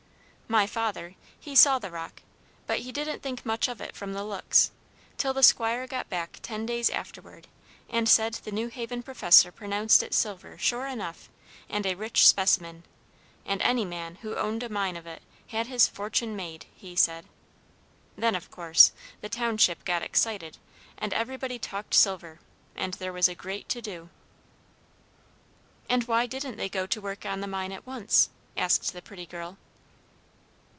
My father, he saw the rock, but he didn't think much of it from the looks, till the Squire got back ten days afterward and said the New Haven professor pronounced it silver, sure enough, and a rich specimen; and any man who owned a mine of it had his fortune made, he said. Then, of course, the township got excited, and everybody talked silver, and there was a great to do." "And why didn't they go to work on the mine at once?" asked the pretty girl.